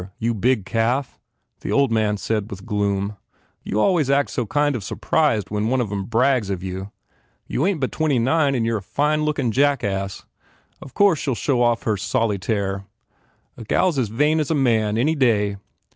You big calf," the old man said with gloom, "you always act so kind of surprised when one of em brags of you. You ain t but twenty nine and you re a fine lookin jackass. Of course, she ll show off her solytaire ! A gal s as vain as a man, any day.